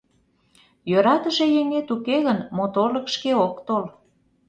Йӧратыше еҥет уке гын, моторлык шке ок тол.